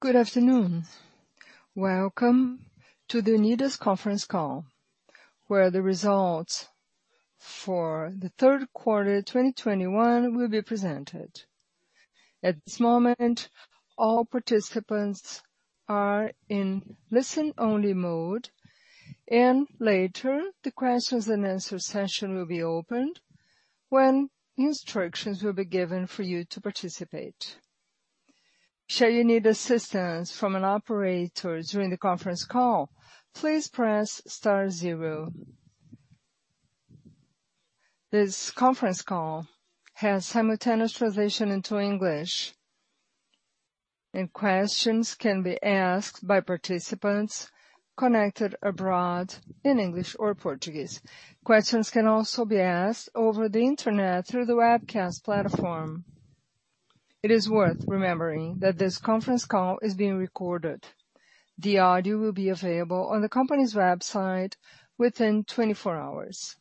Good afternoon. Welcome to the Unidas conference call, where the results for the third quarter 2021 will be presented. At this moment, all participants are in listen-only mode, and later, the questions and answer session will be opened when instructions will be given for you to participate. Should you need assistance from an operator during the conference call, please press star zero. This conference call has simultaneous translation into English, and questions can be asked by participants connected abroad in English or Portuguese. Questions can also be asked over the Internet through the webcast platform. It is worth remembering that this conference call is being recorded. The audio will be available on the company's website within 24 hours.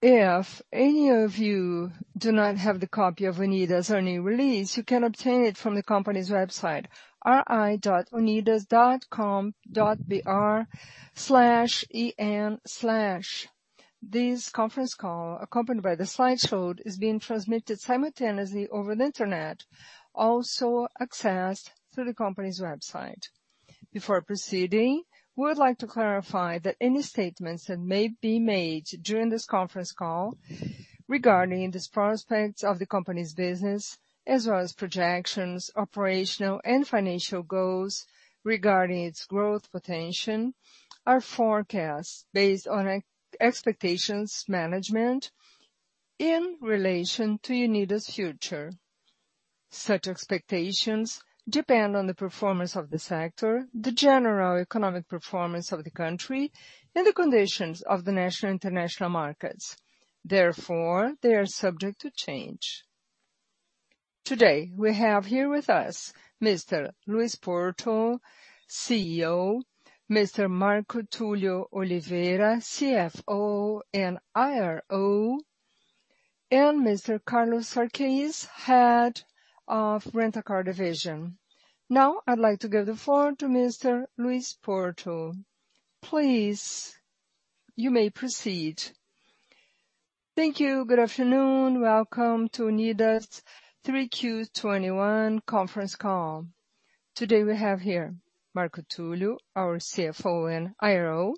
If any of you do not have the copy of Unidas' news release, you can obtain it from the company's website, ri.unidas.com.br/en/. This conference call, accompanied by the slideshow, is being transmitted simultaneously over the Internet, also accessed through the company's website. Before proceeding, we would like to clarify that any statements that may be made during this conference call regarding the prospects of the company's business as well as projections, operational and financial goals regarding its growth potential are forecasts based on expectations of management in relation to Unidas' future. Such expectations depend on the performance of the sector, the general economic performance of the country, and the conditions of the national and international markets. Therefore, they are subject to change. Today, we have here with us Mr. Luiz Porto, CEO, Mr. Marco Túlio Oliveira, CFO and IRO, and Mr. Carlos Sarquis, Head of Rent a Car division. Now, I'd like to give the floor to Mr. Luiz Porto. Please, you may proceed. Thank you. Good afternoon. Welcome to Unidas' 3Q21 conference call. Today, we have here Marco Túlio, our CFO and IRO,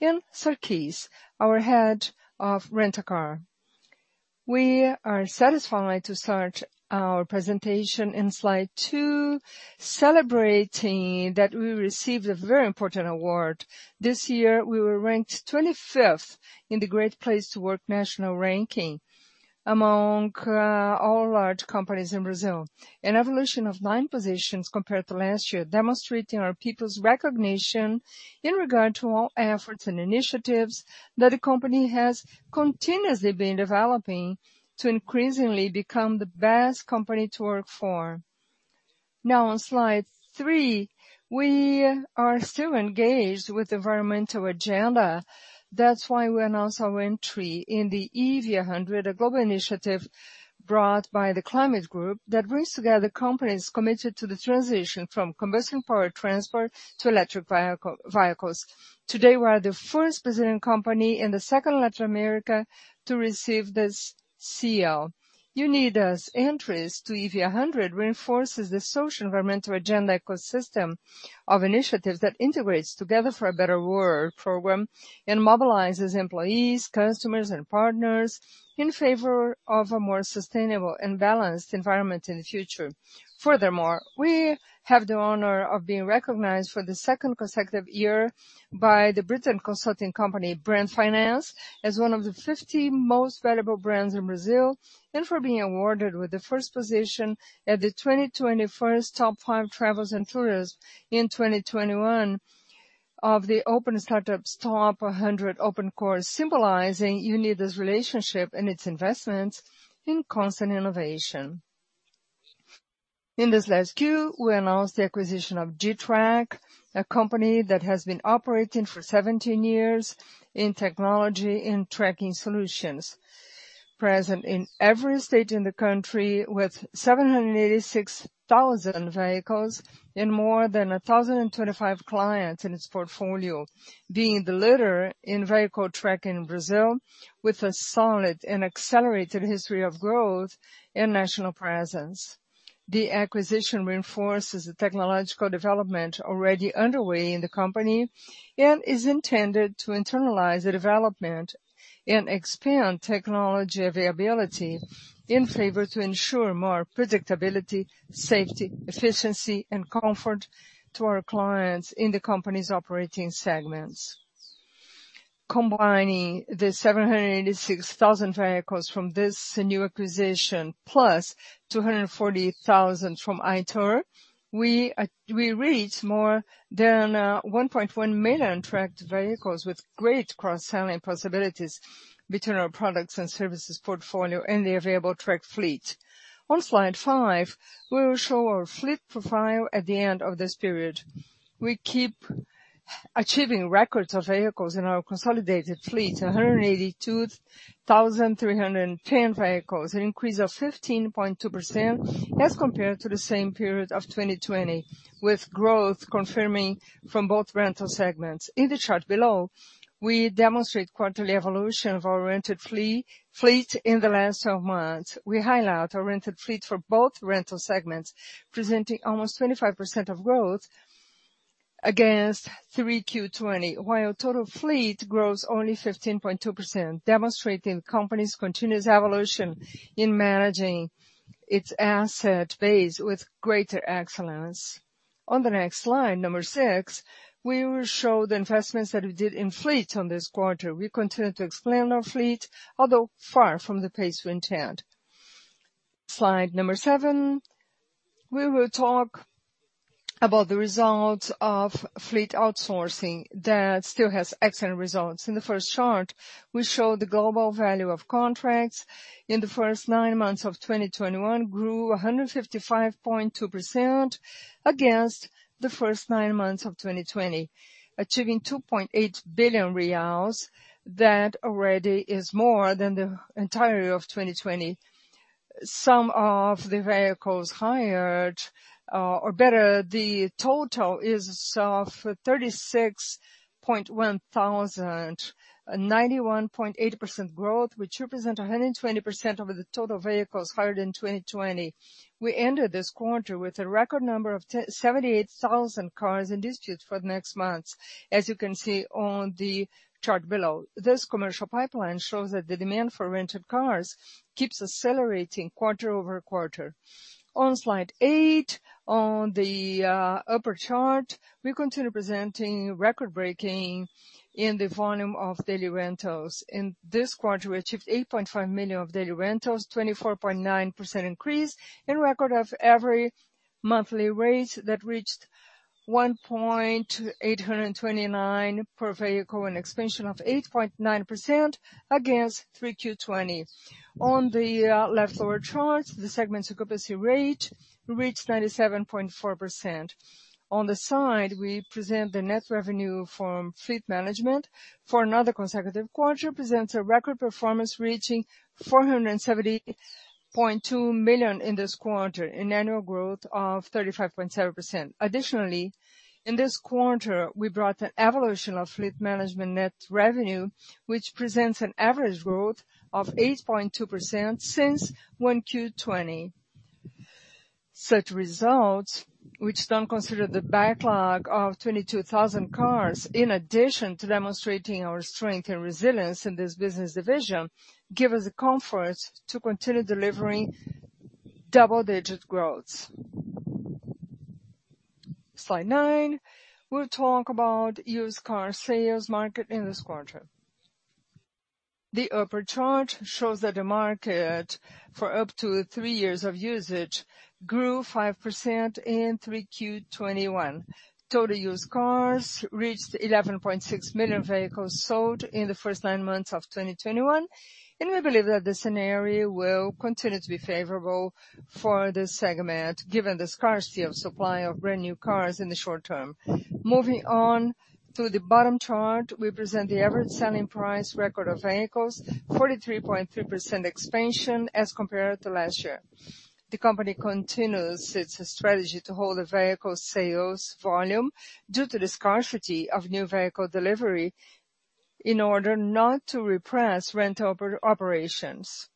and Sarquis, our Head of Rent a Car. We are satisfied to start our presentation in slide two, celebrating that we received a very important award. This year, we were ranked 25th in the Great Place to Work national ranking among all large companies in Brazil, an evolution of nine positions compared to last year, demonstrating our people's recognition in regard to all efforts and initiatives that the company has continuously been developing to increasingly become the best company to work for. Now on slide three, we are still engaged with the environmental agenda. That's why we announced our entry in the EV100, a global initiative brought by The Climate Group that brings together companies committed to the transition from combustion-powered transport to electric vehicles. Today, we are the first Brazilian company and the second in Latin America to receive this seal. Unidas' entrance to EV100 reinforces the social environmental agenda ecosystem of initiatives that integrates Together for a Better World program and mobilizes employees, customers, and partners in favor of a more sustainable and balanced environment in the future. Furthermore, we have the honor of being recognized for the second consecutive year by the British consulting company, Brand Finance, as one of the 50 most valuable brands in Brazil and for being awarded with the first position in the 2021 Top 5 Viagens e Turismo in 2021 of the 100 Open Startups Top 100 Open Corps, symbolizing Unidas' relationship and its investments in constant innovation. In this last Q, we announced the acquisition of Getrak, a company that has been operating for 17 years in technology and tracking solutions. Present in every state in the country with 786,000 vehicles and more than 1,025 clients in its portfolio, being the leader in vehicle tracking in Brazil with a solid and accelerated history of growth and national presence. The acquisition reinforces the technological development already underway in the company and is intended to internalize the development and expand technology availability in favor to ensure more predictability, safety, efficiency, and comfort to our clients in the company's operating segments. Combining the 786,000 vehicles from this new acquisition plus 240,000 from iTer, we reach more than 1.1 million tracked vehicles with great cross-selling possibilities between our products and services portfolio and the available tracked fleet. On slide five, we will show our fleet profile at the end of this period. We keep achieving records of vehicles in our consolidated fleet, 182,310 vehicles, an increase of 15.2% as compared to the same period of 2020, with growth confirming from both rental segments. In the chart below, we demonstrate quarterly evolution of our rented fleet in the last 12 months. We highlight our rented fleet for both rental segments, presenting almost 25% of growth against 3Q 2020, while total fleet grows only 15.2%, demonstrating company's continuous evolution in managing its asset base with greater excellence. On the next slide, number six, we will show the investments that we did in fleet in this quarter. We continue to expand our fleet, although far from the pace we intend. Slide number seven, we will talk about the results of fleet outsourcing that still has excellent results. In the first chart, we show the global value of contracts in the first nine months of 2021 grew 155.2% against the first nine months of 2020, achieving 2.8 billion reais. That already is more than the entirety of 2020. Some of the vehicles hired, or better, the total is of 36,100, 91.8% growth, which represent 120% over the total vehicles hired in 2020. We ended this quarter with a record number of 78,000 cars in dispute for the next months, as you can see on the chart below. This commercial pipeline shows that the demand for rented cars keeps accelerating quarter-over-quarter. On slide eight, on the upper chart, we continue presenting record-breaking in the volume of daily rentals. In this quarter, we achieved 8.5 million daily rentals, 24.9% increase and record of every monthly rate that reached 1,829 per vehicle, an expansion of 8.9% against 3Q 2020. On the left lower chart, the segment's occupancy rate reached 97.4%. On the side, we present the net revenue from fleet management. For another consecutive quarter, presents a record performance reaching 470.2 million in this quarter, an annual growth of 35.7%. Additionally, in this quarter, we brought an evolution of fleet management net revenue, which presents an average growth of 8.2% since 1Q 2020. Such results, which don't consider the backlog of 22,000 cars, in addition to demonstrating our strength and resilience in this business division, give us the comfort to continue delivering double-digit growths. Slide nine, we'll talk about used car sales market in this quarter. The upper chart shows that the market for up to three years of usage grew 5% in 3Q 2021. Total used cars reached 11.6 million vehicles sold in the first nine months of 2021, and we believe that the scenario will continue to be favorable for this segment, given the scarcity of supply of brand-new cars in the short term. Moving on to the bottom chart, we present the average selling price record of vehicles 43.3% expansion as compared to last year. The company continues its strategy to hold the vehicle sales volume due to the scarcity of new vehicle delivery in order not to repress rent operations.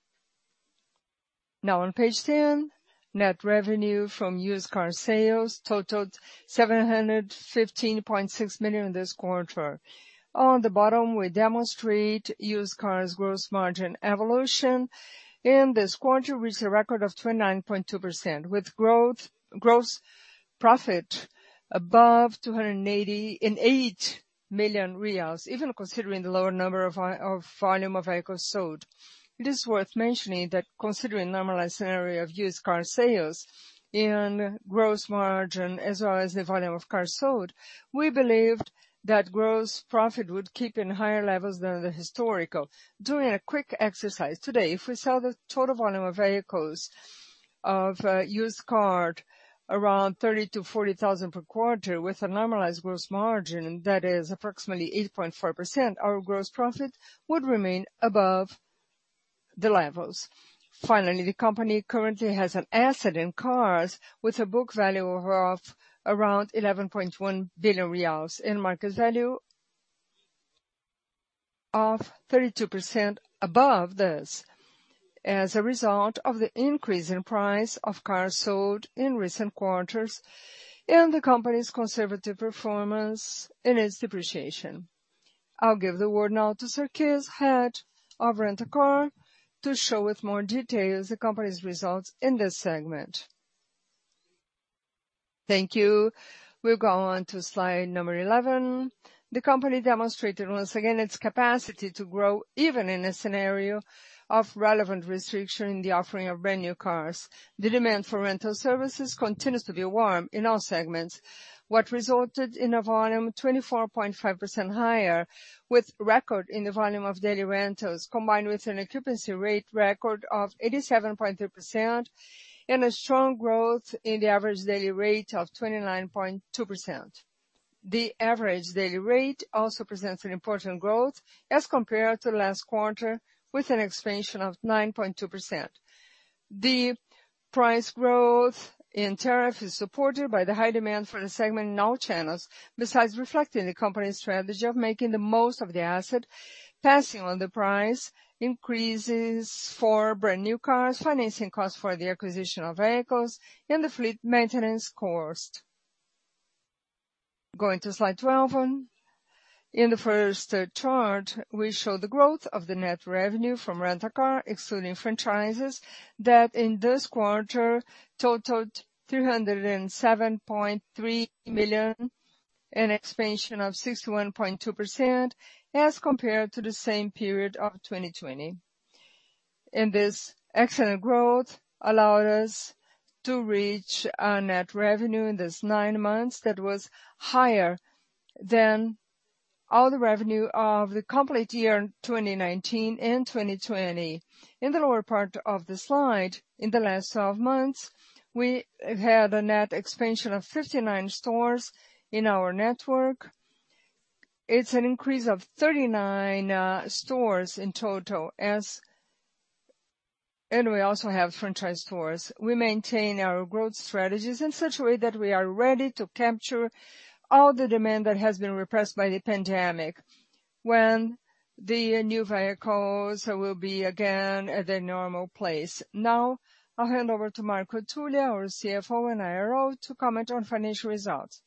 Now on page 10, net revenue from used car sales totaled 715.6 million in this quarter. On the bottom, we demonstrate used cars gross margin evolution. In this quarter, it reached a record of 29.2% with gross profit above BRL 288 million, even considering the lower volume of vehicles sold. It is worth mentioning that considering normalized scenario of used car sales in gross margin, as well as the volume of cars sold, we believed that gross profit would keep in higher levels than the historical. Doing a quick exercise, today, if we sell the total volume of vehicles of a used car around 30,000-40,000 per quarter with a normalized gross margin, that is approximately 8.4%, our gross profit would remain above the levels. Finally, the company currently has an asset in cars with a book value of around BRL 11.1 billion and market value of 32% above this as a result of the increase in price of cars sold in recent quarters and the company's conservative performance in its depreciation. I'll give the word now to Sarquis, Head of Rent a Car, to show with more details the company's results in this segment. Thank you. We'll go on to slide 11. The company demonstrated once again its capacity to grow even in a scenario of relevant restriction in the offering of brand new cars. The demand for rental services continues to be warm in all segments, which resulted in a volume 24.5% higher with record in the volume of daily rentals, combined with an occupancy rate record of 87.3% and a strong growth in the average daily rate of 29.2%. The average daily rate also presents an important growth as compared to last quarter with an expansion of 9.2%. The price growth in tariff is supported by the high demand for the segment in all channels. Besides reflecting the company's strategy of making the most of the asset, passing on the price increases for brand-new cars, financing costs for the acquisition of vehicles and the fleet maintenance cost. Going to slide 12. In the first chart, we show the growth of the net revenue from Rent-A-Car, excluding franchises, that in this quarter totaled 307.3 million, an expansion of 61.2% as compared to the same period of 2020. This excellent growth allowed us to reach our net revenue in this nine months that was higher than all the revenue of the complete year in 2019 and 2020. In the lower part of the slide, in the last 12 months, we have had a net expansion of 59 stores in our network. It's an increase of 39 stores in total. We also have franchise stores. We maintain our growth strategies in such a way that we are ready to capture all the demand that has been repressed by the pandemic when the new vehicles will be again at their normal place. Now I'll hand over to Marco Túlio, our CFO and IRO, to comment on financial results.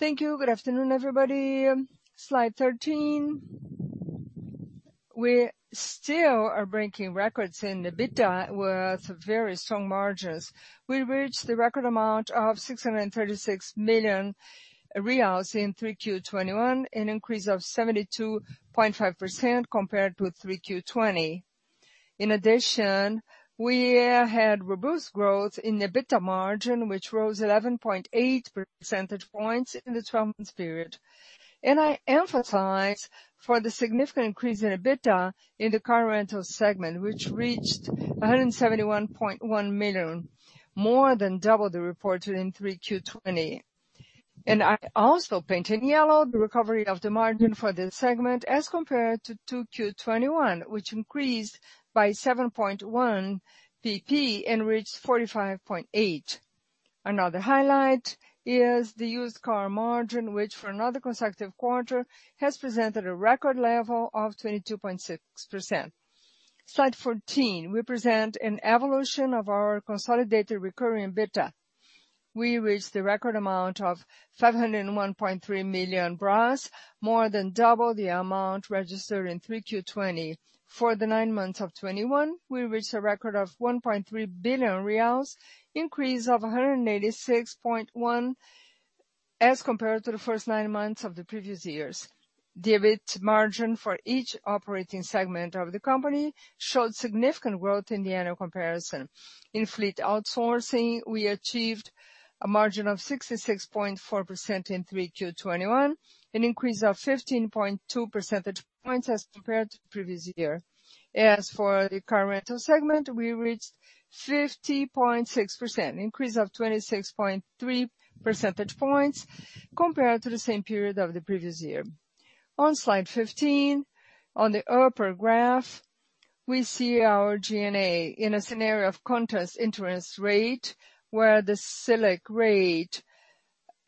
Thank you. Good afternoon, everybody. Slide 13. We still are breaking records in the EBITDA with very strong margins. We reached the record amount of 636 million reais in 3Q 2021, an increase of 72.5% compared to 3Q 2020. In addition, we had robust growth in the EBITDA margin, which rose 11.8 percentage points in the 12-month period. I emphasize the significant increase in EBITDA in the car rental segment, which reached 171.1 million, more than double the reported in 3Q 2020. I also paint in yellow the recovery of the margin for the segment as compared to 2Q 2021, which increased by 7.1 basis points and reached 45.8%. Another highlight is the used car margin, which for another consecutive quarter has presented a record level of 22.6%. Slide 14, we present an evolution of our consolidated recurring EBITDA. We reached the record amount of 501.3 million, more than double the amount registered in 3Q 2020. For the nine months of 2021, we reached a record of BRL 1.3 billion, increase of 186.1% as compared to the first nine months of the previous years. The EBIT margin for each operating segment of the company showed significant growth in the annual comparison. In fleet outsourcing, we achieved a margin of 66.4% in 3Q 2021, an increase of 15.2 percentage points as compared to the previous year. As for the car rental segment, we reached 50.6%, increase of 26.3 percentage points compared to the same period of the previous year. On slide 15, on the upper graph, we see our G&A in a scenario of contrasting interest rates, where the Selic rate,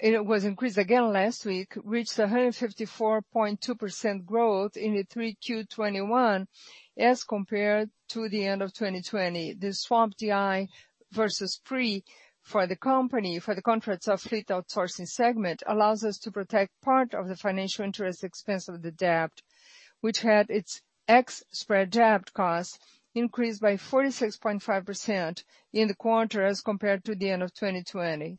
it was increased again last week, reached a 154.2% growth in the 3Q 2021 as compared to the end of 2020. The swap DI versus pré for the company, for the contracts of fleet outsourcing segment, allows us to protect part of the financial interest expense of the debt, which had its CDS spread debt cost increased by 46.5% in the quarter as compared to the end of 2020.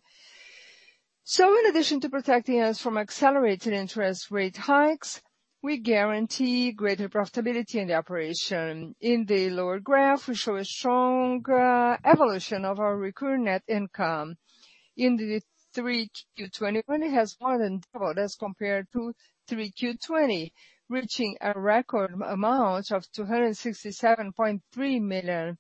In addition to protecting us from accelerated interest rate hikes, we guarantee greater profitability in the operation. In the lower graph, we show a strong evolution of our recurring net income. In 3Q 2021, it has more than doubled as compared to 3Q 2020, reaching a record amount of 267.3 million,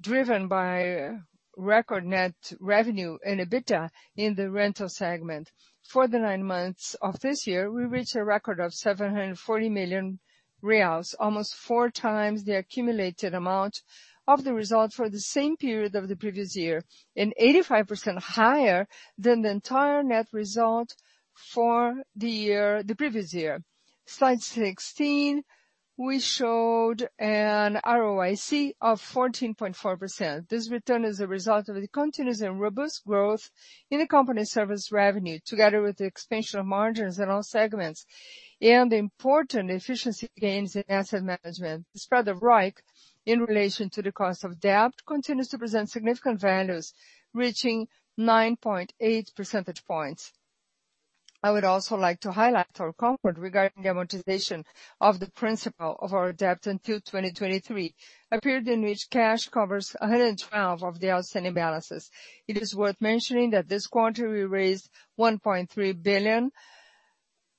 driven by record net revenue and EBITDA in the rental segment. For the nine months of this year, we reached a record of 740 million reais, almost four times the accumulated amount of the result for the same period of the previous year and 85% higher than the entire net result for the year, the previous year. Slide 16, we showed an ROIC of 14.4%. This return is a result of the continuous and robust growth in the company service revenue, together with the expansion margins in all segments and important efficiency gains in asset management. The spread of ROIC in relation to the cost of debt continues to present significant values, reaching 9.8 percentage points. I would also like to highlight our comfort regarding the amortization of the principal of our debt until 2023, a period in which cash covers 112% of the outstanding balances. It is worth mentioning that this quarter we raised 1.3 billion.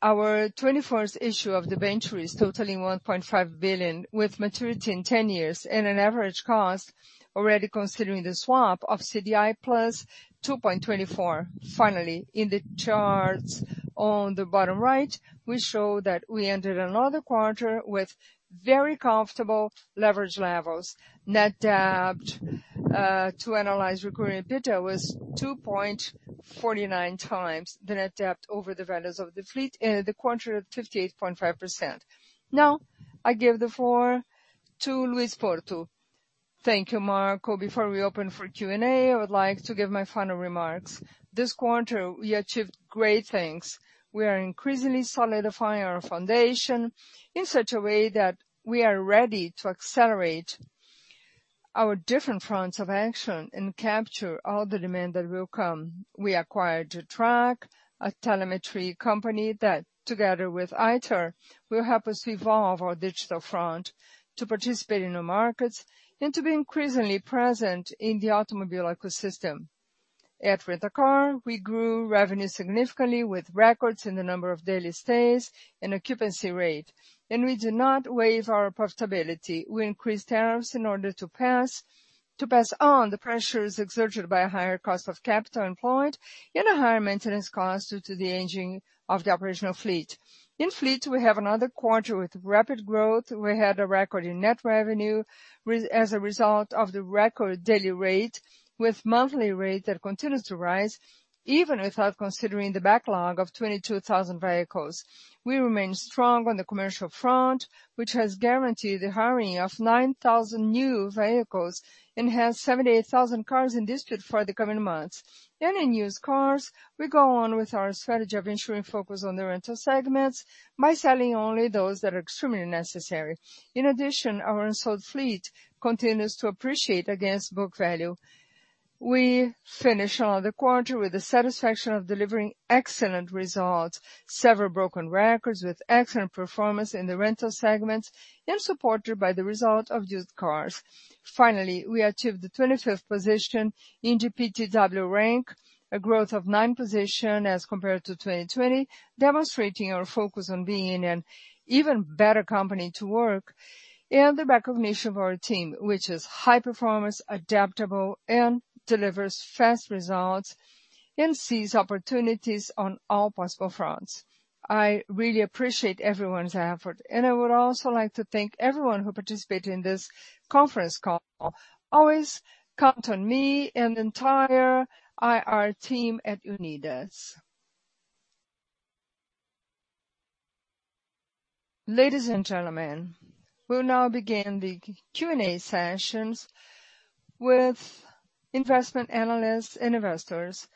Our 21st issue of debentures totaling 1.5 billion, with maturity in 10 years and an average cost already considering the swap of CDI + 2.24. Finally, in the charts on the bottom right, we show that we entered another quarter with very comfortable leverage levels. Net debt to adjusted recurring EBITDA was 2.49x, net debt over the rentals of the fleet this quarter at 58.5%. Now I give the floor to Luiz Porto. Thank you, Marco. Before we open for Q&A, I would like to give my final remarks. This quarter we achieved great things. We are increasingly solidifying our foundation in such a way that we are ready to accelerate our different fronts of action and capture all the demand that will come. We acquired Getrak, a telemetry company, that together with iTer will help us evolve our digital front to participate in the markets and to be increasingly present in the automobile ecosystem. At Rent-A-Car, we grew revenue significantly with records in the number of daily stays and occupancy rate, and we did not waive our profitability. We increased tariffs in order to pass on the pressures exerted by a higher cost of capital employed and a higher maintenance cost due to the aging of the operational fleet. In fleet, we have another quarter with rapid growth. We had a record in net revenue as a result of the record daily rate, with monthly rate that continues to rise even without considering the backlog of 22,000 vehicles. We remain strong on the commercial front, which has guaranteed the hiring of 9,000 new vehicles and has 78,000 cars in dispute for the coming months. In used cars, we go on with our strategy of ensuring focus on the rental segments by selling only those that are extremely necessary. In addition, our unsold fleet continues to appreciate against book value. We finish another quarter with the satisfaction of delivering excellent results, several broken records with excellent performance in the rental segments and supported by the result of used cars. Finally, we achieved the 25th position in GPTW rank, a growth of nine positions as compared to 2020, demonstrating our focus on being an even better company to work and the recognition of our team, which is high-performance, adaptable and delivers fast results and sees opportunities on all possible fronts. I really appreciate everyone's effort and I would also like to thank everyone who participated in this conference call. Always count on me and the entire IR team at Unidas. Ladies and gentlemen, we'll now begin the Q&A sessions with investment analysts and investors.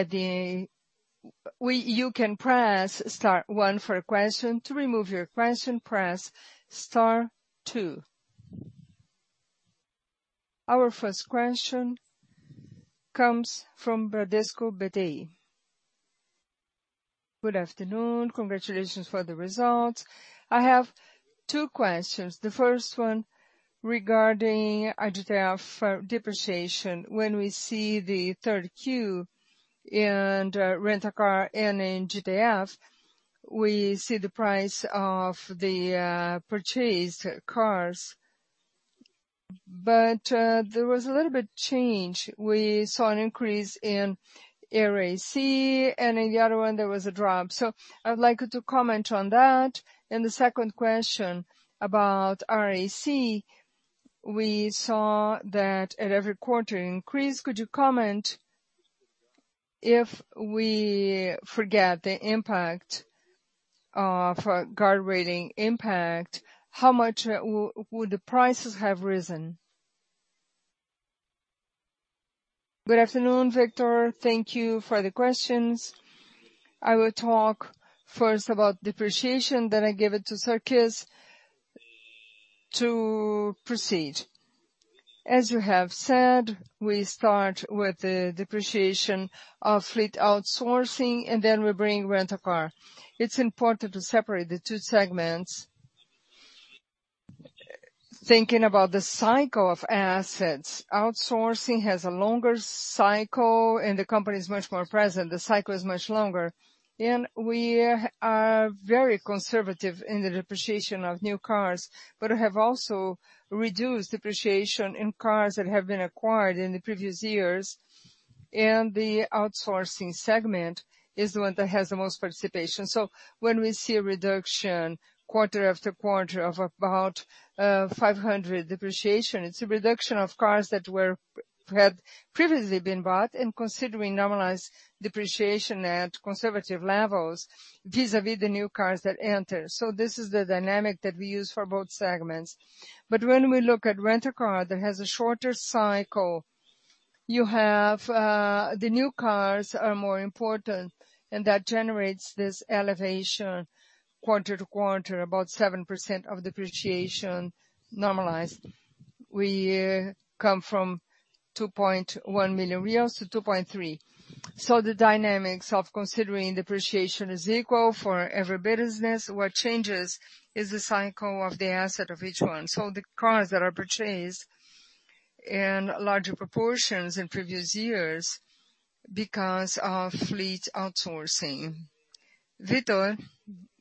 You can press star one for a question. To remove your question, press star two. Our first question comes from Bradesco Beti. Good afternoon. Congratulations for the results. I have two questions. The first one regarding GTF depreciation. When we see the Q3 and Rent a Car and in GTF, we see the price of the purchased cars. There was a little bit change. We saw an increase in RAC and in the other one there was a drop. I would like you to comment on that. The second question about RAC. We saw that at every quarter increase. Could you comment, if we forget the impact of guardrail impact, how much would the prices have risen? Good afternoon, Victor. Thank you for the questions. I will talk first about depreciation, then I give it to Sarquis to proceed. As you have said, we start with the depreciation of fleet outsourcing and then we bring Rent a Car. It's important to separate the two segments. Thinking about the cycle of assets, outsourcing has a longer cycle and the company is much more present. The cycle is much longer. We are very conservative in the depreciation of new cars, but have also reduced depreciation in cars that have been acquired in the previous years. The outsourcing segment is the one that has the most participation. When we see a reduction quarter after quarter of about 500 depreciation, it's a reduction of cars that had previously been bought and considering normalized depreciation at conservative levels vis-à-vis the new cars that enter. This is the dynamic that we use for both segments. When we look at Rent a Car that has a shorter cycle, you have the new cars are more important and that generates this elevation quarter to quarter, about 7% of depreciation normalized. We come from 2.1 million reais to 2.3 million. The dynamics of considering depreciation is equal for every business. What changes is the cycle of the asset of each one. The cars that are purchased in larger proportions in previous years because of fleet outsourcing. Victor,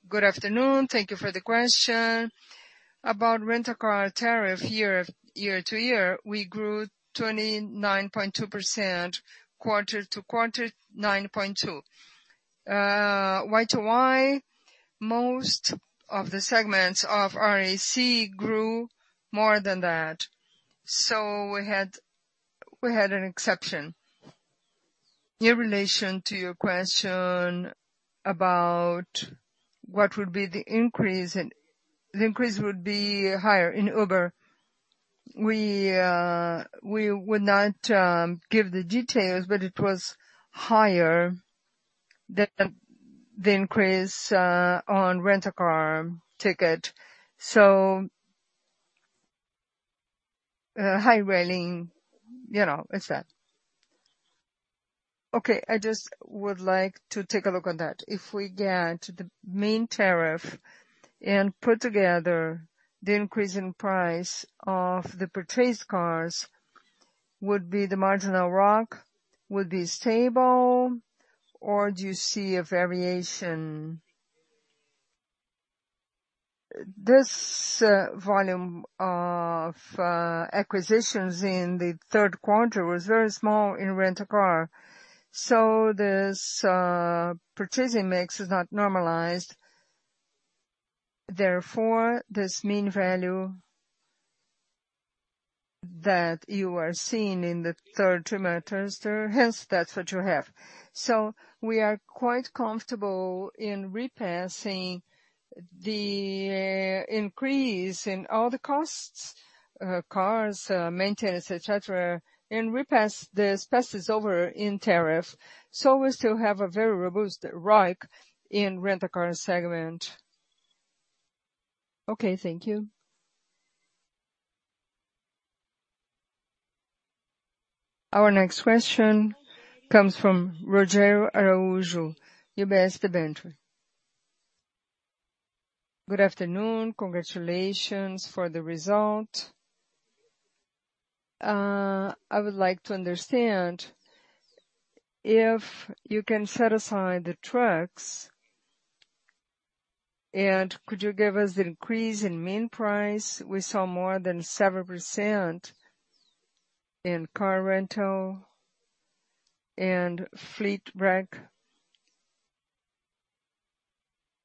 good afternoon. Thank you for the question. About Rent a Car tariff year-over-year, we grew 29.2%. Quarter-over-quarter, 9.2%. Year-over-year, most of the segments of RAC grew more than that. We had an exception. In relation to your question about what would be the increase and the increase would be higher in Uber. We would not give the details, but it was higher than the increase on rent a car ticket. High railing, you know, it's that. Okay, I just would like to take a look on that. If we get the main tariff and put together the increase in price of the purchased cars, would the marginal ROIC be stable, or do you see a variation? This volume of acquisitions in the third quarter was very small in Rent-a-Car. This purchasing mix is not normalized. Therefore, this mean value that you are seeing in the third quarter, hence, that's what you have. We are quite comfortable in repassing the increase in all the costs, cars, maintenance, et cetera, and we pass this over in tariff. We still have a very robust ROIC in Rent-a-Car segment. Okay. Thank you. Our next question comes from Rogério Araújo, UBS. Good afternoon. Congratulations for the result. I would like to understand if you can set aside the trucks and could you give us the increase in mean price? We saw more than 7% in car rental and fleet RAC.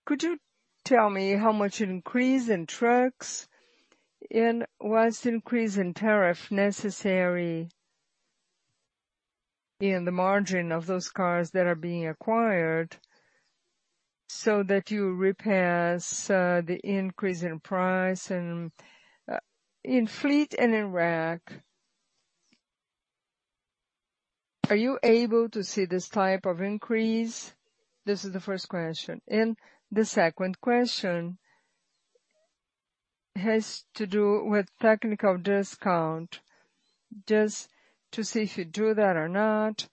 Could you tell me how much it increase in trucks and was the increase in tariff necessary in the margin of those cars that are being acquired so that you repass the increase in price? In fleet and in RAC, are you able to see this type of increase? This is the first question. The second question has to do with technical discount, just to see if you do that or not,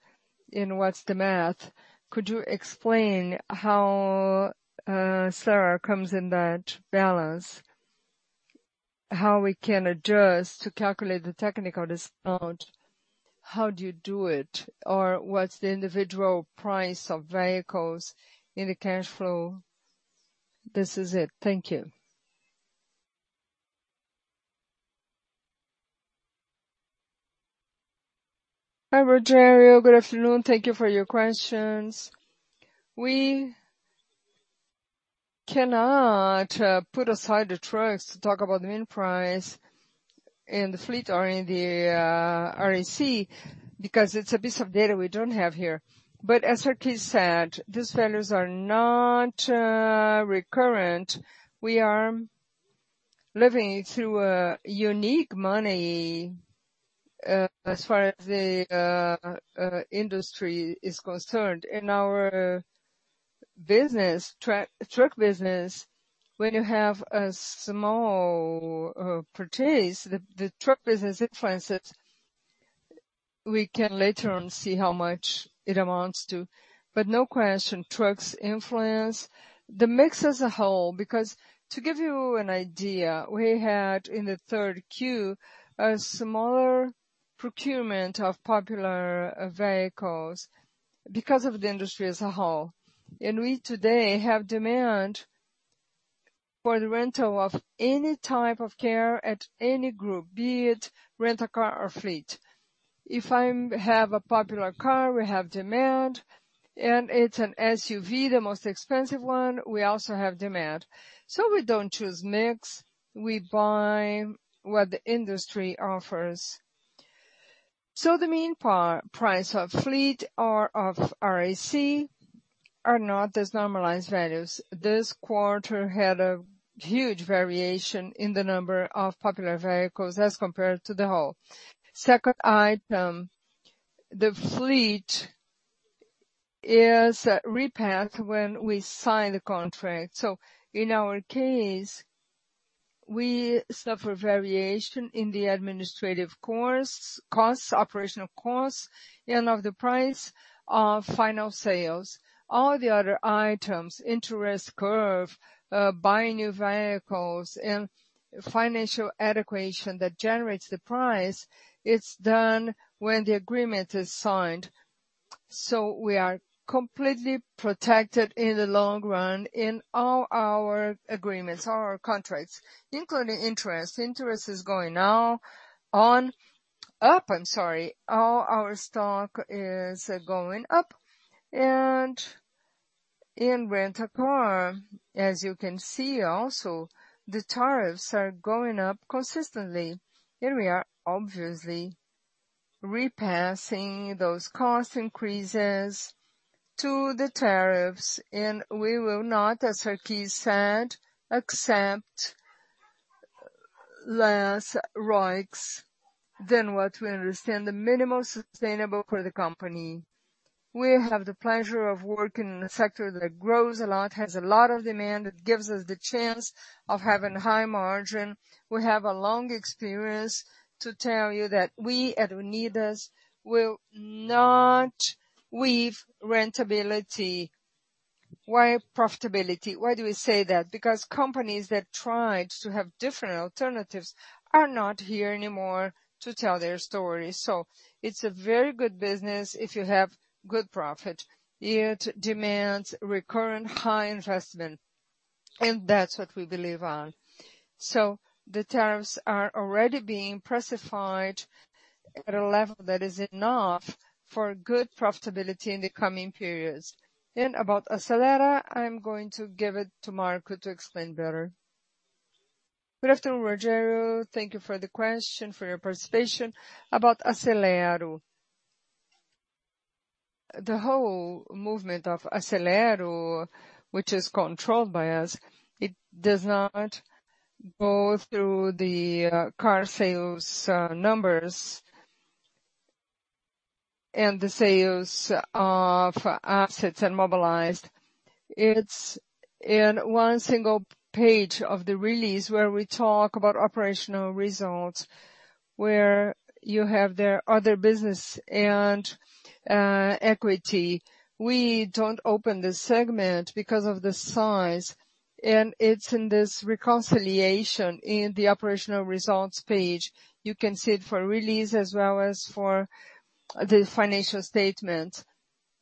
and what's the math. Could you explain how SERA comes in that balance? How we can adjust to calculate the technical discount? How do you do it? Or what's the individual price of vehicles in the cash flow? This is it. Thank you. Hi, Rogério. Good afternoon. Thank you for your questions. We cannot put aside the trucks to talk about the mean price in the fleet or in the RAC because it's a piece of data we don't have here. As Sarquis said, these values are not recurrent. We are living through a unique moment as far as the industry is concerned. In our business, truck business, when you have a small purchase, the truck business influences. We can later on see how much it amounts to. No question, trucks influence the mix as a whole, because to give you an idea, we had in the third Q a smaller procurement of popular vehicles because of the industry as a whole. We today have demand for the rental of any type of car at any group, be it Rent a Car or fleet. If I have a popular car, we have demand, and it's an SUV, the most expensive one, we also have demand. We don't choose mix. We buy what the industry offers. The mean price of fleet or of RAC are not as normalized values. This quarter had a huge variation in the number of popular vehicles as compared to the whole. Second item, the fleet is repassed when we sign the contract. In our case, we suffer variation in the administrative costs, operational costs, and of the price of final sales. All the other items, interest curve, buying new vehicles and financial adequacy that generates the price. It's done when the agreement is signed. We are completely protected in the long run in all our agreements, all our contracts, including interest. Interest is going up, I'm sorry. All our stock is going up. In Rent a Car, as you can see also, the tariffs are going up consistently, and we are obviously repassing those cost increases to the tariffs, and we will not, as Sarquis said, accept less ROICs than what we understand the minimum sustainable for the company. We have the pleasure of working in a sector that grows a lot, has a lot of demand. It gives us the chance of having high margin. We have a long experience to tell you that we, at Unidas, will not waive profitability. Why profitability? Why do we say that? Because companies that tried to have different alternatives are not here anymore to tell their stories. It's a very good business if you have good profit. It demands recurring high investment, and that's what we believe in. The tariffs are already being priced at a level that is enough for good profitability in the coming periods. About Acelero, I'm going to give it to Marco to explain better. Good afternoon, Rogério. Thank you for the question, for your participation. About Acelero. The whole movement of Acelero, which is controlled by us, it does not go through the car sales numbers and the sales of assets and immobilized. It's in one single page of the release where we talk about operational results, where you have their other business and equity. We don't open this segment because of the size, and it's in this reconciliation in the operational results page. You can see it for release as well as for the financial statement.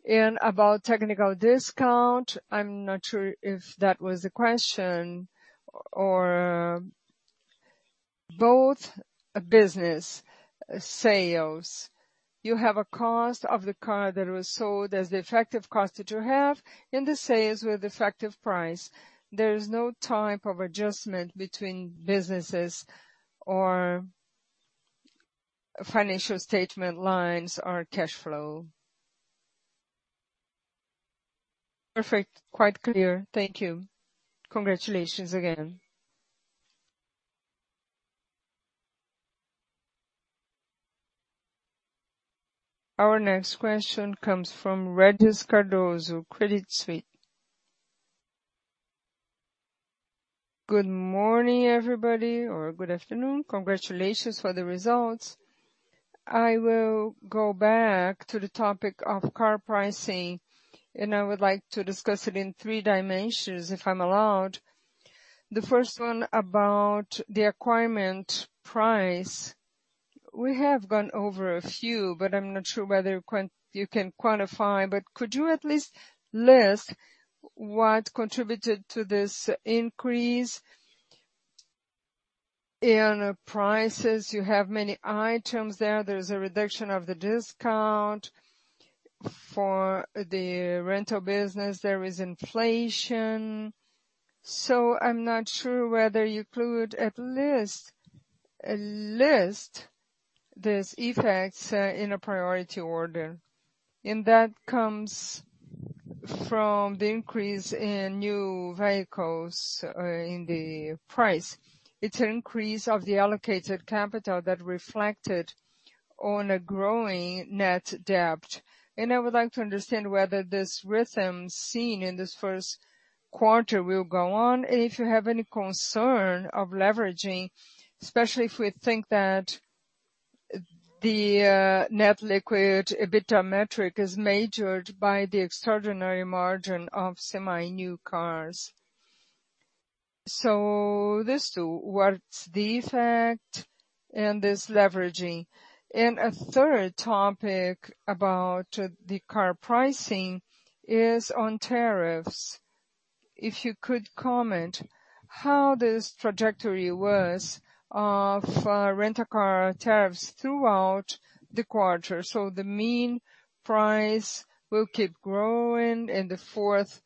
About technical discount, I'm not sure if that was a question or both business sales. You have a cost of the car that was sold as the effective cost that you have and the sales with effective price. There's no type of adjustment between businesses or financial statement lines or cash flow. Perfect. Quite clear. Thank you. Congratulations again. Our next question comes from Regis Cardoso, Credit Suisse. Good morning, everybody, or good afternoon. Congratulations for the results. I will go back to the topic of car pricing, and I would like to discuss it in three dimensions, if I'm allowed. The first one about the acquisition price. We have gone over a few, but I'm not sure whether you can quantify, but could you at least list what contributed to this increase in prices? You have many items there. There's a reduction of the discount. For the rental business, there is inflation. I'm not sure whether you could at least list these effects in a priority order. That comes from the increase in new vehicles in the price. It's an increase of the allocated capital that reflected on a growing net debt. I would like to understand whether this rhythm seen in this first quarter will go on and if you have any concern of leveraging, especially if we think that the net leverage EBITDA metric is measured by the extraordinary margin of semi-new cars. These two, what's the effect and this leveraging? A third topic about the car pricing is on tariffs. If you could comment how this trajectory was of Rent a Car tariffs throughout the quarter. The mean price will keep growing and the fourth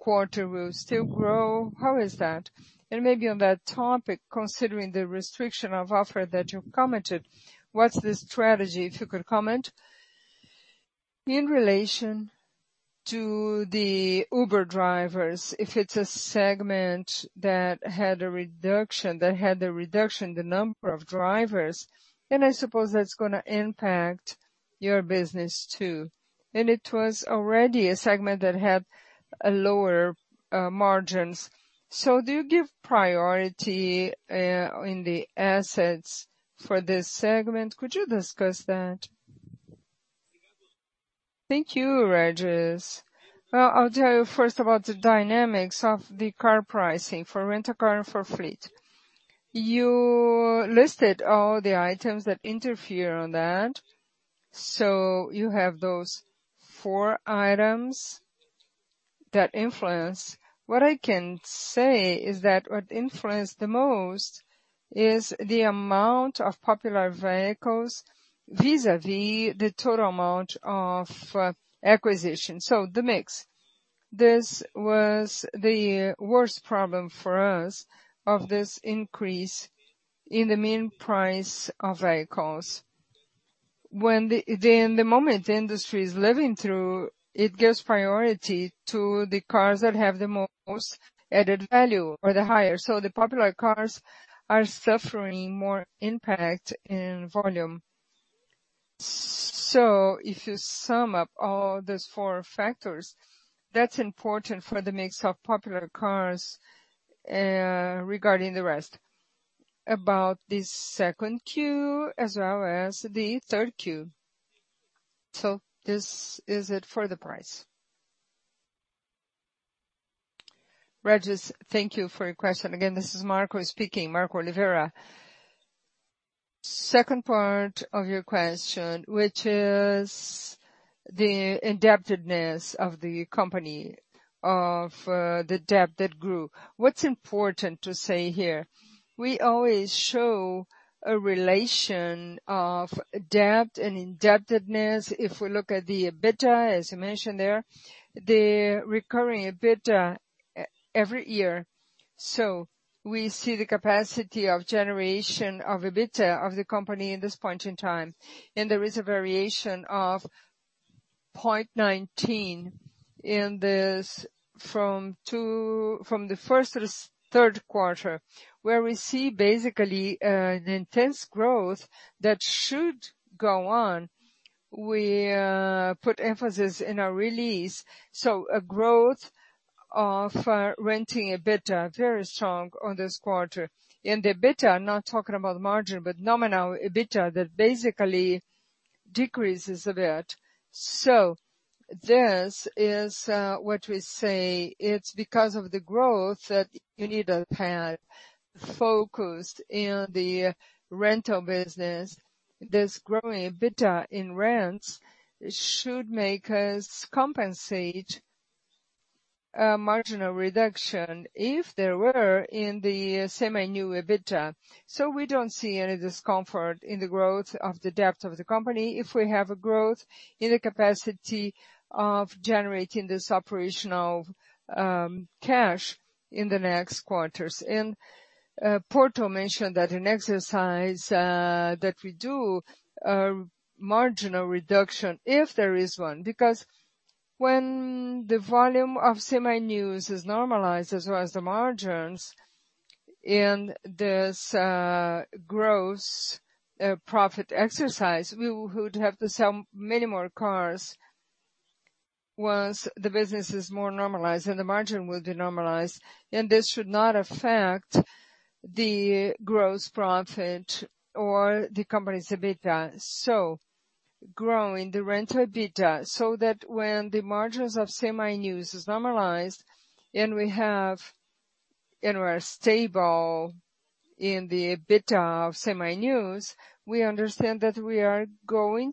quarter will still grow. How is that? Maybe on that topic, considering the restriction of offer that you commented, what's the strategy, if you could comment? In relation to the Uber drivers, if it's a segment that had a reduction in the number of drivers, then I suppose that's gonna impact your business too. It was already a segment that had a lower margins. Do you give priority in the assets for this segment? Could you discuss that? Thank you, Regis. I'll tell you first about the dynamics of the car pricing for Rent a Car and for Fleet. You listed all the items that interfere on that. You have those four items that influence. What I can say is that what influenced the most is the amount of popular vehicles vis-a-vis the total amount of acquisition. The mix. This was the worst problem for us of this increase in the mean price of vehicles. When and the moment the industry is living through, it gives priority to the cars that have the most added value or the higher. The popular cars are suffering more impact in volume. If you sum up all those four factors, that's important for the mix of popular cars regarding the rest. About the second Q as well as the third Q. This is it for the price. Regis, thank you for your question. Again, this is Marco speaking, Marco Oliveira. Second part of your question, which is the indebtedness of the company, of the debt that grew. What's important to say here, we always show a relation of debt and indebtedness. If we look at the EBITDA, as you mentioned there, the recurring EBITDA every year. We see the capacity of generation of EBITDA of the company in this point in time. There is a variation of 0.19 in this from the first to this third quarter, where we see basically an intense growth that should go on. We put emphasis in our release, so a growth of renting EBITDA, very strong on this quarter. In the EBITDA, I'm not talking about margin, but nominal EBITDA that basically decreases a bit. This is what we say, it's because of the growth that you need a path focused in the rental business. This growing EBITDA in rents should make us compensate marginal reduction if there were in the semi-new EBITDA. We don't see any discomfort in the growth of the debt of the company if we have a growth in the capacity of generating this operational cash in the next quarters. Porto mentioned that in exercise that we do a marginal reduction, if there is one. Because when the volume of semi-news is normalized as well as the margins in this gross profit exercise, we would have to sell many more cars once the business is more normalized and the margin will be normalized. This should not affect the gross profit or the company's EBITDA. Growing the rental EBITDA, so that when the margins of Seminovos is normalized and we're stable in the EBITDA of Seminovos, we understand that we are going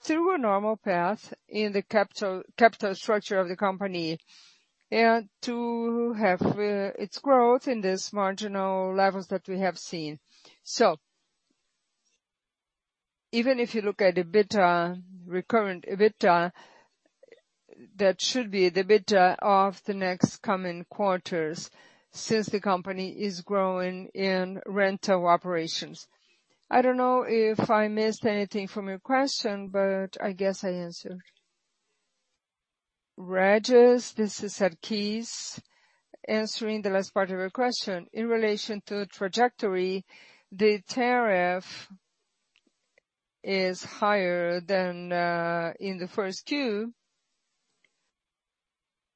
through a normal path in the capital structure of the company to have its growth in these marginal levels that we have seen. Even if you look at EBITDA, recurrent EBITDA, that should be the EBITDA of the next coming quarters since the company is growing in rental operations. I don't know if I missed anything from your question, but I guess I answered. Regis, this is Sarquis answering the last part of your question. In relation to trajectory, the tariff is higher than in the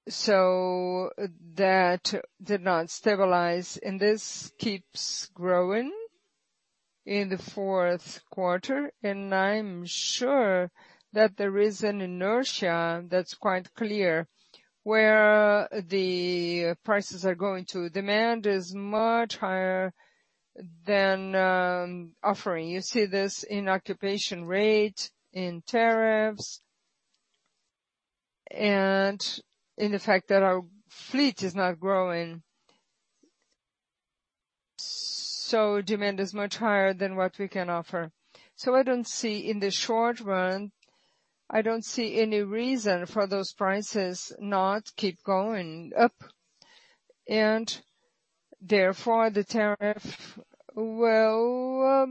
Q1. That did not stabilize, and this keeps growing in the fourth quarter. I'm sure that there is an inertia that's quite clear where the prices are going to. Demand is much higher than offering. You see this in occupation rate, in tariffs, and in the fact that our fleet is not growing. Demand is much higher than what we can offer. I don't see, in the short run, any reason for those prices not keep going up. Therefore, the tariff will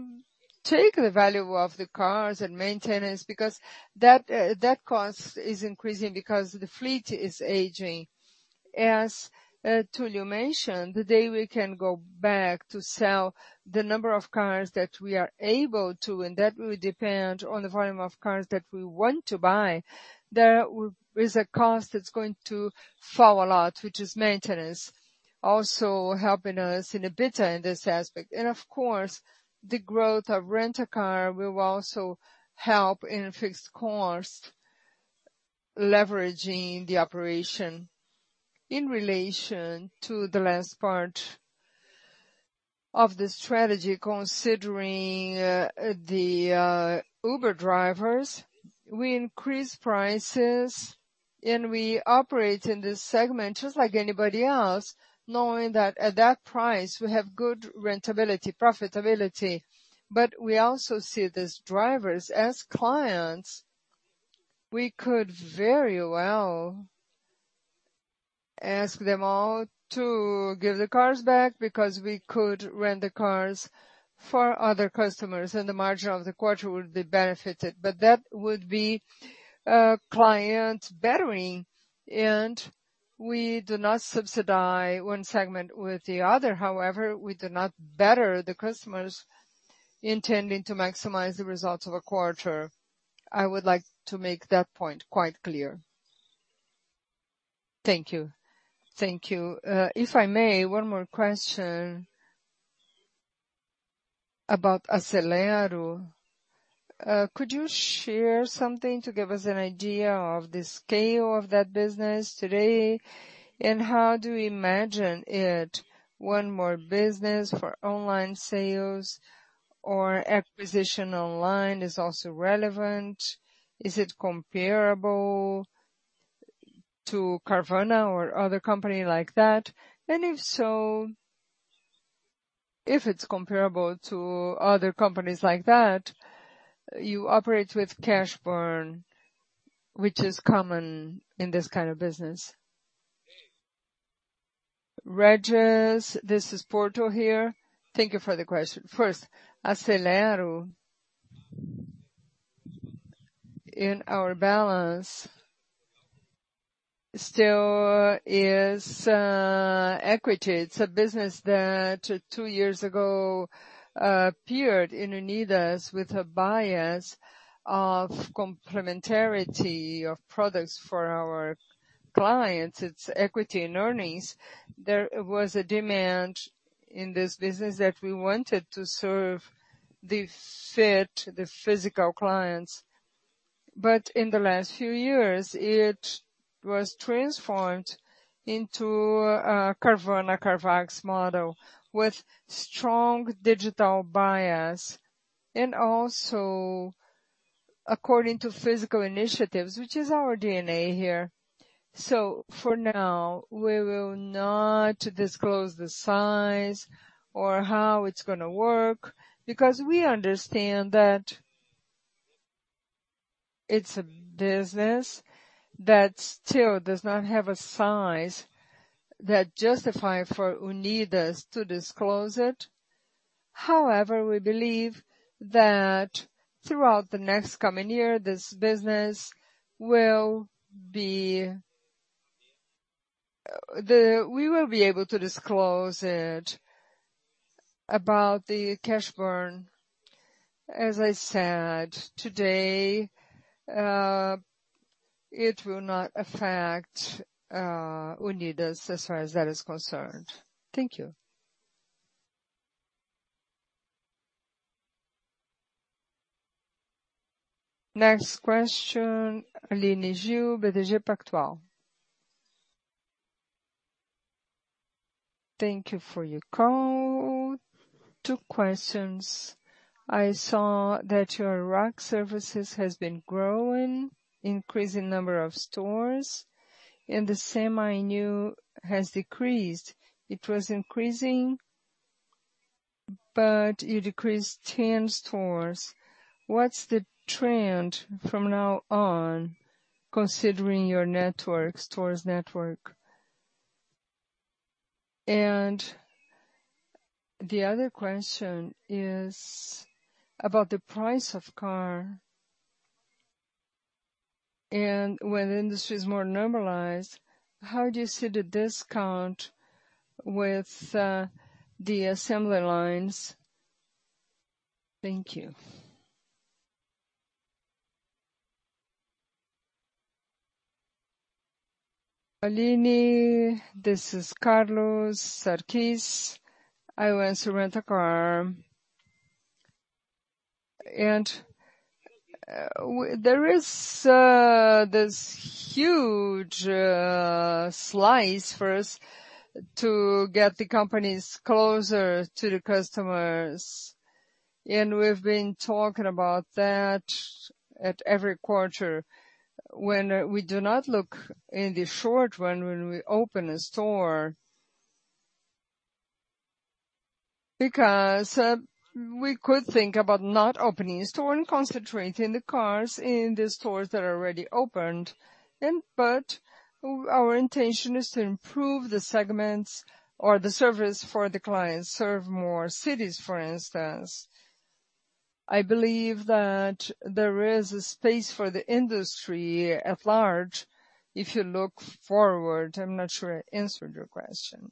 take the value of the cars and maintenance because that cost is increasing because the fleet is aging. As Túlio mentioned, the day we can go back to sell the number of cars that we are able to, and that will depend on the volume of cars that we want to buy. There is a cost that's going to fall a lot, which is maintenance, also helping us in EBITDA in this aspect. Of course, the growth of Rent a Car will also help in fixed cost, leveraging the operation. In relation to the last part of the strategy considering the Uber drivers, we increase prices, and we operate in this segment just like anybody else, knowing that at that price we have good rentability, profitability. We also see these drivers as clients. We could very well ask them all to give the cars back because we could rent the cars for other customers and the margin of the quarter would be benefited. That would be client battering, and we do not subsidize one segment with the other. However, we do not batter the customers intending to maximize the results of a quarter. I would like to make that point quite clear. Thank you. Thank you. If I may, one more question about Acelero. Could you share something to give us an idea of the scale of that business today? How do we imagine it, one more business for online sales or acquisition online is also relevant? Is it comparable to Carvana or other company like that? If so, if it's comparable to other companies like that, you operate with cash burn, which is common in this kind of business. Regis, this is Luiz Porto here. Thank you for the question. First, Acelero in our balance still is equity. It's a business that two years ago appeared in Unidas with a bias of complementarity of products for our clients. It's equity and earnings. There was a demand in this business that we wanted to serve the fleet, the physical clients. In the last few years, it was transformed into a Carvana, Carvajal model with strong digital bias and also the physical initiatives, which is our DNA here. For now, we will not disclose the size or how it's gonna work because we understand that it's a business that still does not have a size that justify for Unidas to disclose it. However, we believe that throughout the next coming year, we will be able to disclose it. About the cash burn, as I said today, it will not affect Unidas as far as that is concerned. Thank you. Next question, Aline Gil, BTG Pactual. Thank you for your call. Two questions. I saw that your RAC services has been growing, increasing number of stores, and the Seminovos has decreased. It was increasing, but you decreased 10 stores. What's the trend from now on, considering your networks, stores network? The other question is about the price of car. When the industry is more normalized, how do you see the discount with the assembly lines? Thank you. Aline, this is Carlos Sarquis, Head of Rent a Car. There is this huge slice for us to get the companies closer to the customers, and we've been talking about that at every quarter. We do not look in the short run when we open a store because we could think about not opening a store and concentrating the cars in the stores that are already opened. Our intention is to improve the segments or the service for the clients, serve more cities, for instance. I believe that there is a space for the industry at large, if you look forward. I'm not sure I answered your question.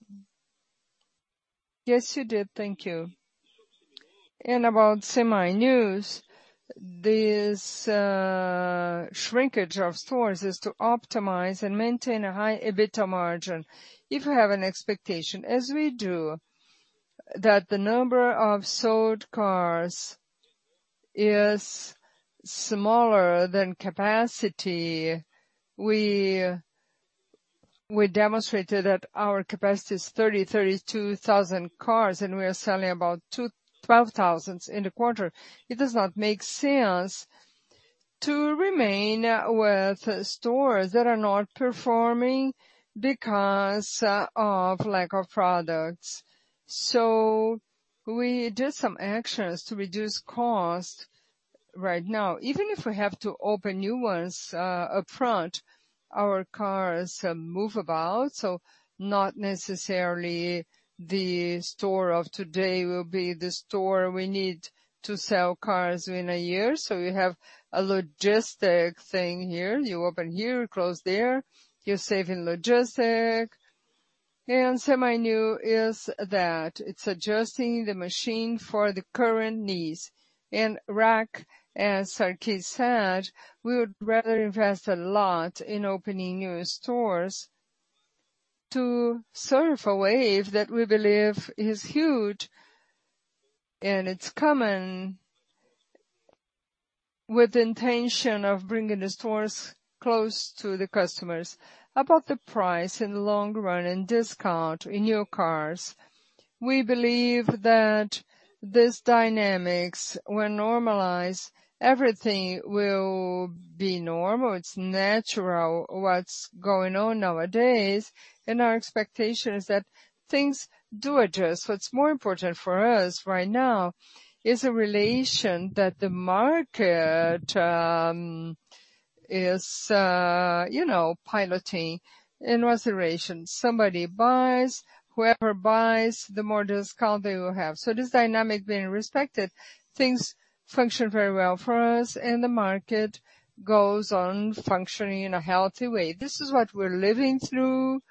Yes, you did. Thank you. About Seminovos, this shrinkage of stores is to optimize and maintain a high EBITDA margin. If you have an expectation, as we do, that the number of sold cars is smaller than capacity, we demonstrated that our capacity is 32,000 cars, and we are selling about 12,000 in the quarter. It does not make sense to remain with stores that are not performing because of lack of products. We did some actions to reduce cost right now. Even if we have to open new ones upfront, our cars are movable, so not necessarily the store of today will be the store we need to sell cars in a year. We have a logistic thing here. You open here, you close there, you're saving logistic. Seminovos is that it's adjusting the machine for the current needs. RAC, as Sarquis said, we would rather invest a lot in opening new stores to surf a wave that we believe is huge. It's coming with intention of bringing the stores close to the customers. About the price in the long run and discount in new cars, we believe that these dynamics, when normalized, everything will be normal. It's natural what's going on nowadays, and our expectation is that things do adjust. What's more important for us right now is a relation that the market is pricing in consideration. Somebody buys, whoever buys, the more discount they will have. This dynamic being respected, things function very well for us, and the market goes on functioning in a healthy way. This is what we're living through.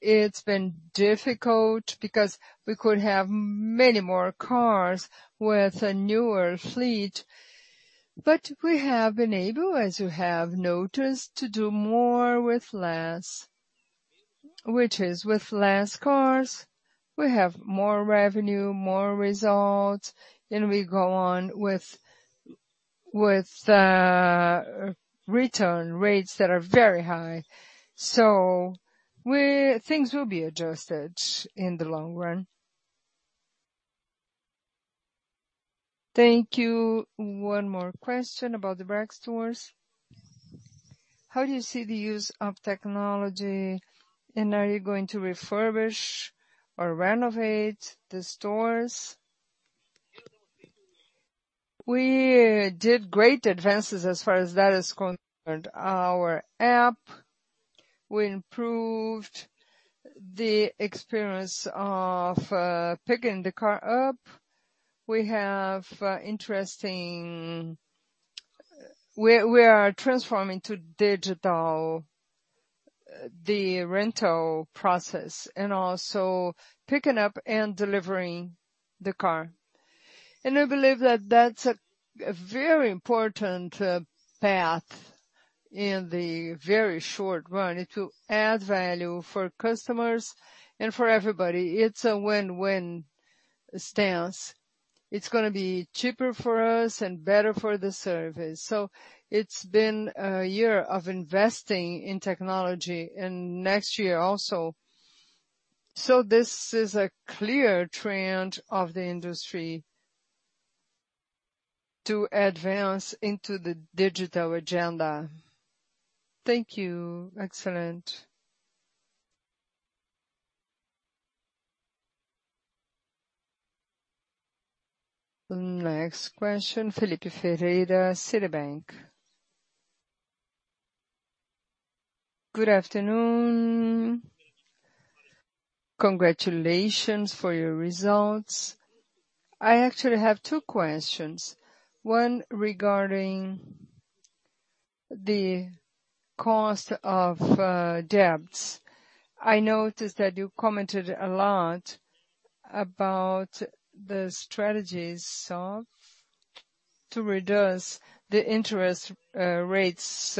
It's been difficult because we could have many more cars with a newer fleet. We have been able, as you have noticed, to do more with less, which is with less cars, we have more revenue, more results, and we go on with return rates that are very high. Things will be adjusted in the long run. Thank you. One more question about the RAC stores. How do you see the use of technology, and are you going to refurbish or renovate the stores? We did great advances as far as that is concerned. Our app, we improved the experience of picking the car up. We are transforming to digital the rental process and also picking up and delivering the car. I believe that that's a very important path in the very short run. It will add value for customers and for everybody. It's a win-win stance. It's gonna be cheaper for us and better for the service. It's been a year of investing in technology and next year also. This is a clear trend of the industry to advance into the digital agenda. Thank you. Excellent. Next question, Felipe Ferreira, Citibank. Good afternoon. Congratulations for your results. I actually have two questions, one regarding the cost of debts. I noticed that you commented a lot about the strategies to reduce the interest rates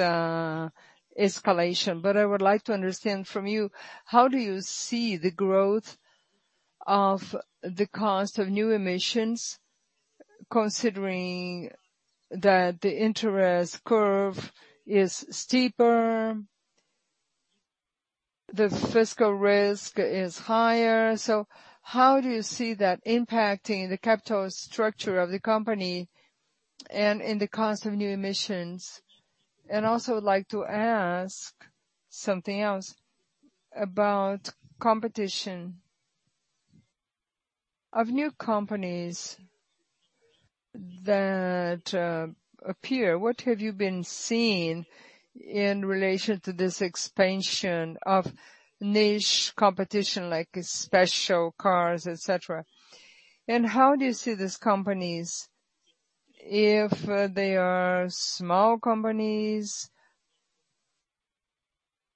escalation. I would like to understand from you, how do you see the growth of the cost of new emissions, considering that the interest curve is steeper, the fiscal risk is higher? How do you see that impacting the capital structure of the company and in the cost of new emissions? Also would like to ask something else about competition of new companies that appear. What have you been seeing in relation to this expansion of niche competition, like special cars, et cetera? And how do you see these companies, if they are small companies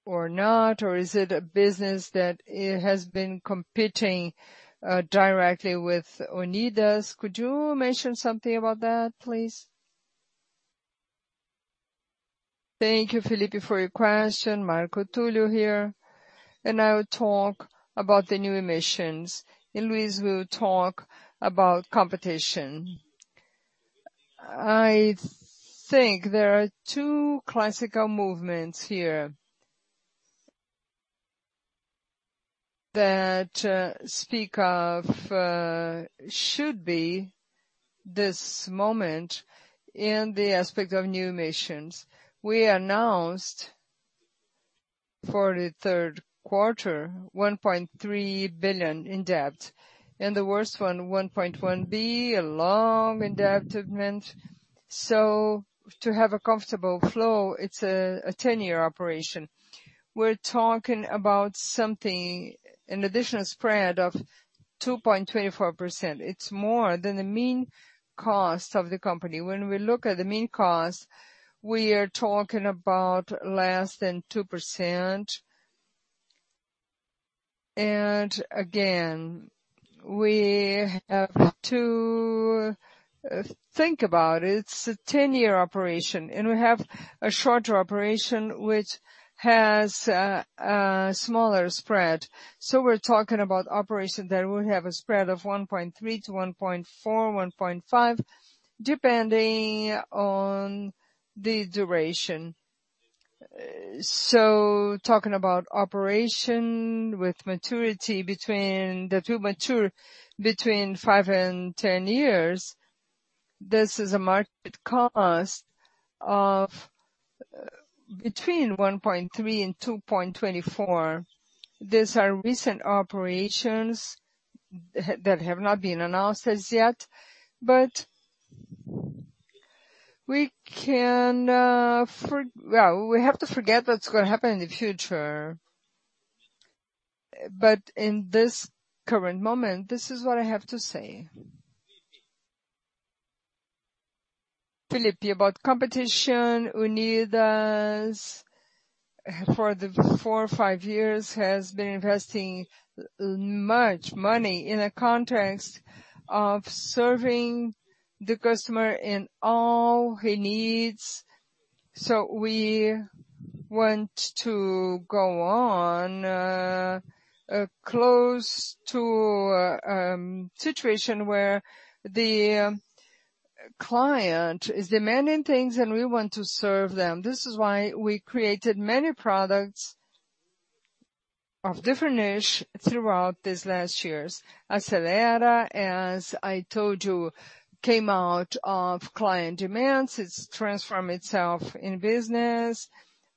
or not? Or is it a business that it has been competing directly with Unidas? Could you mention something about that, please? Thank you, Felipe, for your question. Marco Túlio here. I will talk about the new emissions, and Luiz will talk about competition. I think there are two classical movements here that speak of should be this moment in the aspect of new missions. We announced for the third quarter 1.3 billion in debt, and the first one, 1.1 billion, a long indebtedness. To have a comfortable flow, it's a 10-year operation. We're talking about something, an additional spread of 2.24%. It's more than the mean cost of the company. When we look at the mean cost, we are talking about less than 2%. We have to think about it. It's a 10-year operation, and we have a shorter operation which has a smaller spread. We're talking about operation that will have a spread of 1.3%-1.4%, 1.5%, depending on the duration. Talking about operation with maturity between five and 10 years, this is a market cost of between 1.3% and 2.24%. These are recent operations that have not been announced as yet, but we can. Well, we have to forget what's gonna happen in the future. In this current moment, this is what I have to say. Felipe, about competition, Unidas for the four, five years has been investing much money in the context of serving the customer in all he needs. We want to go on close to situation where the client is demanding things and we want to serve them. This is why we created many products of different niche throughout these last years. Acelero, as I told you, came out of client demands. It's transformed itself in business.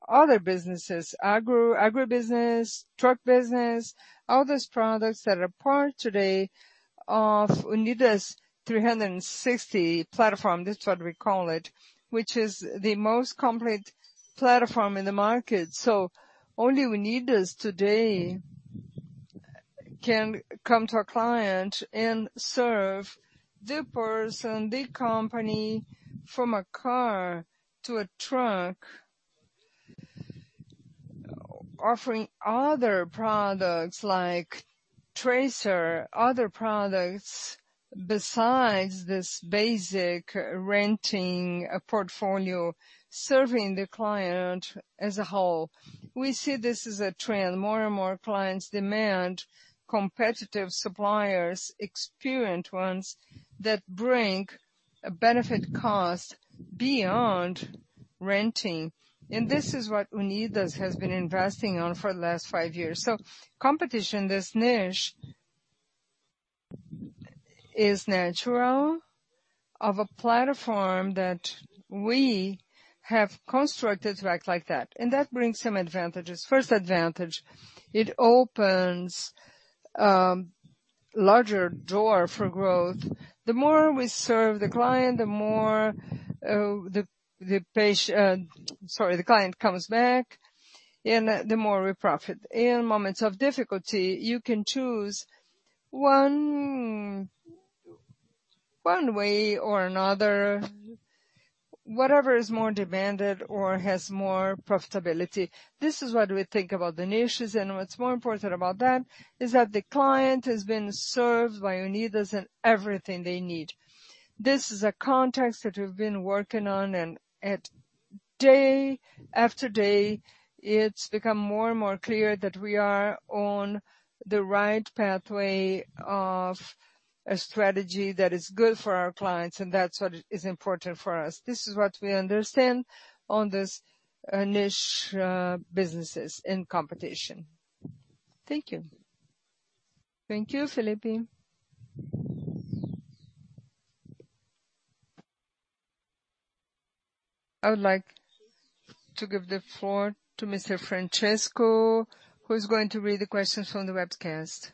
Other businesses, agro, agribusiness, truck business, all these products that are part today of Unidas' 360 platform, this is what we call it, which is the most complete platform in the market. Only Unidas today can come to a client and serve the person, the company from a car to a truck, offering other products like tracker, other products besides this basic renting portfolio, serving the client as a whole. We see this as a trend. More and more clients demand competitive suppliers, experienced ones that bring a benefit cost beyond renting. This is what Unidas has been investing on for the last five years. Competition, this niche is natural of a platform that we have constructed to act like that, and that brings some advantages. First advantage, it opens larger door for growth. The more we serve the client, the more the client comes back and the more we profit. In moments of difficulty, you can choose one way or another, whatever is more demanded or has more profitability. This is what we think about the niches, and what's more important about that is that the client has been served by Unidas in everything they need. This is a context that we've been working on and day after day it's become more and more clear that we are on the right pathway of a strategy that is good for our clients and that's what is important for us. This is what we understand on this niche businesses in competition. Thank you. Thank you, Felipe. I would like to give the floor to Mr. Francisco, who's going to read the questions from the webcast.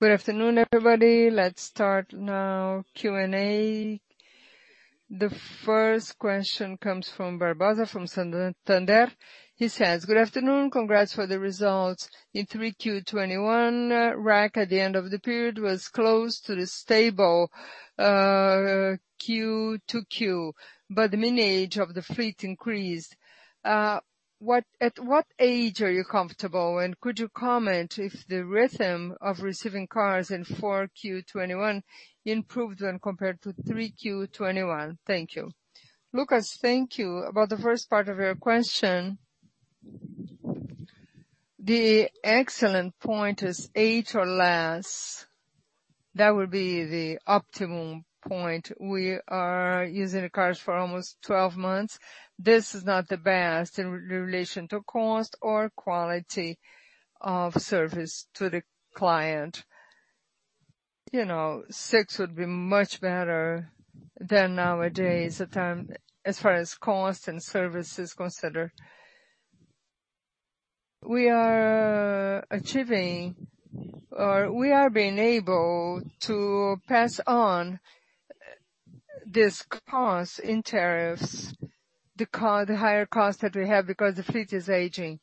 Good afternoon, everybody. Let's start now Q&A. The first question comes from Lucas Barbosa, from Santander. He says, "Good afternoon. Congrats for the results. In 3Q 2021, RAC at the end of the period was close to stable Q-to-Q, but the mean age of the fleet increased. At what age are you comfortable? And could you comment if the rhythm of receiving cars in 4Q 2021 improved when compared to 3Q 2021? Thank you." Lucas, thank you. About the first part of your question. The excellent point is eight or less. That would be the optimum point. We are using the cars for almost 12 months. This is not the best in relation to cost or quality of service to the client. Six would be much better than nowadays, as far as cost and service is considered. We are achieving or we are being able to pass on this cost in tariffs, the higher cost that we have because the fleet is aging.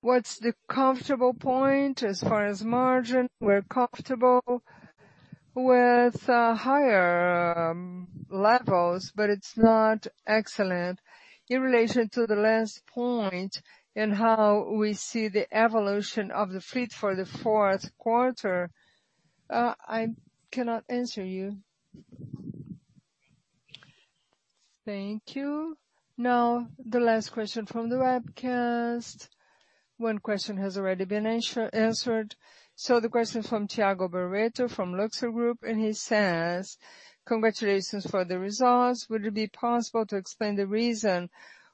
What's the comfortable point as far as margin? We're comfortable with higher levels, but it's not excellent. In relation to the last point and how we see the evolution of the fleet for the fourth quarter, I cannot answer you. Thank you. Now, the last question from the webcast. One question has already been answered. The question from Tiago Barreto from Luxor Group, and he says, "Congratulations for the results. Would it be possible to explain the reason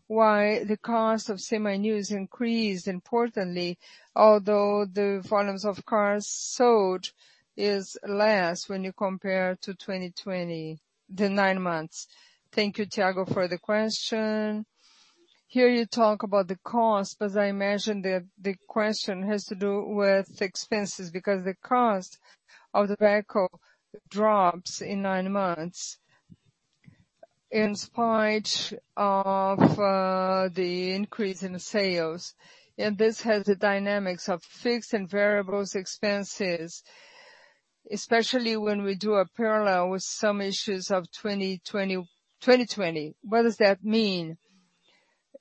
why the cost of seminovos increased importantly, although the volumes of cars sold is less when you compare to 2020, the nine months? Thank you, Tiago, for the question. Here you talk about the cost, but I imagine the question has to do with expenses. Because the cost of the vehicle drops in nine months in spite of the increase in sales. This has the dynamics of fixed and variables expenses, especially when we do a parallel with some issues of 2020. What does that mean?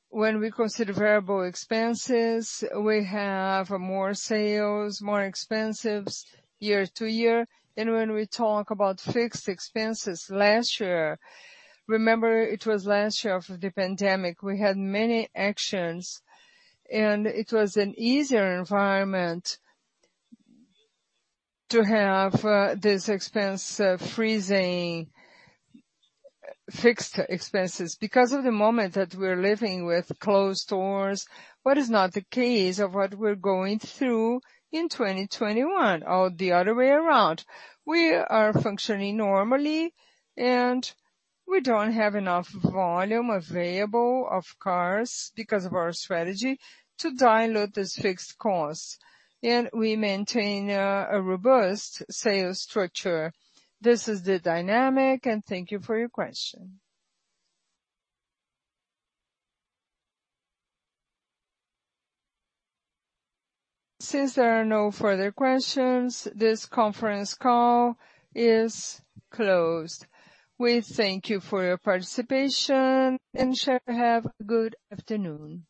When we consider variable expenses, we have more sales, more expenses year-to-year. When we talk about fixed expenses, last year. Remember it was last year of the pandemic. We had many actions, and it was an easier environment to have this expense freezing fixed expenses because of the moment that we're living with closed doors, what is not the case of what we're going through in 2021 or the other way around. We are functioning normally, and we don't have enough volume available of cars because of our strategy to dilute this fixed cost. We maintain a robust sales structure. This is the dynamic, and thank you for your question. Since there are no further questions, this conference call is closed. We thank you for your participation. Ensure to have a good afternoon.